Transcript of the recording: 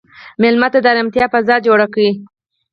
مېلمه ته د ارامتیا فضا جوړ کړه.